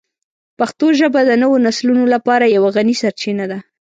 پښتو ژبه د نوو نسلونو لپاره یوه غني سرچینه ده.